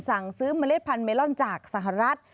สั่งซื้อเมล็ดพันธเมลอนจากสหรัฐ